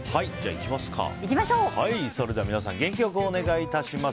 それでは皆さん元気良くお願いします。